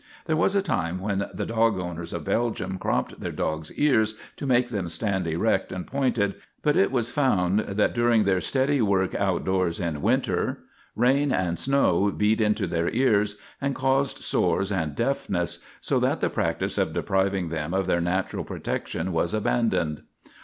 There was a time when the dog owners of Belgium cropped their dogs' ears to make them stand erect and pointed, but it was found that during their steady work outdoors in winter rain and snow beat into their ears and caused sores and deafness, so that the practice of depriving them of their natural protection was abandoned.